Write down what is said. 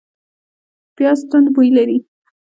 پیاز توند بوی لري